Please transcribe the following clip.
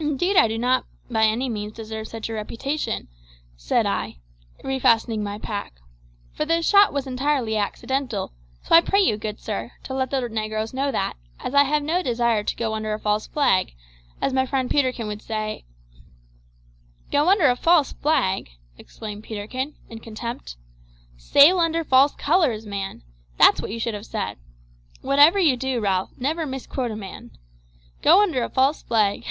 "Indeed I do not by any means deserve such a reputation," said I, refastening my pack, "for the shot was entirely accidental; so I pray you, good sir, to let the negroes know that, as I have no desire to go under a false flag, as my friend Peterkin would say " "Go under a false flag!" exclaimed Peterkin, in contempt. "Sail under false colours, man! That's what you should have said. Whatever you do, Ralph, never misquote a man. Go under a false flag!